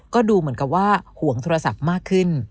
ก็ดูเหมือนกับว่าห่วงโทรศัพท์มากขึ้น